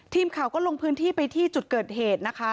ทีมข่าวก็ลงพื้นที่ไปที่จุดเกิดเหตุนะคะ